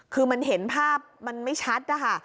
คือมันเห็นภาพมันไม่ชัดนะคะ